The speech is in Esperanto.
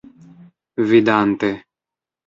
vidante